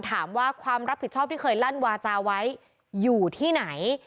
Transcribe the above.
ถามว่าความรับผิดชอบที่เคยลั่นวาจาไว้อยู่ที่ไหน